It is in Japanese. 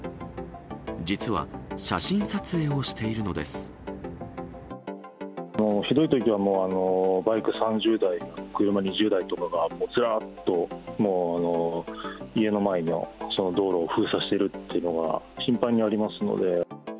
実は、もうひどいときはもう、バイク３０台、車２０台とかがずらっと、もう家の前のその道路を封鎖しているっていうのが頻繁にあります